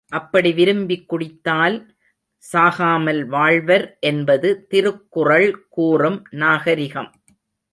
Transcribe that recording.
அப்படி விரும்பிக் குடித்தால் சாகாமல் வாழ்வர் என்பது திருக்குறள் கூறும் நாகரிகம்.